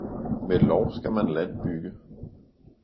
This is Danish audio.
Med lov skal man land bygge!